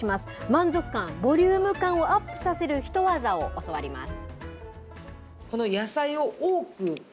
満足感、ボリューム感をアップさせるヒトワザを教わります。